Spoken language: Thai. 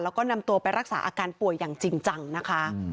แล้วก็นำตัวไปรักษาอาการป่วยอย่างจริงจังนะคะ